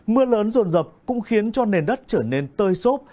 mưa lớn rộn rập cũng khiến cho nền đất trở nên tơi sốt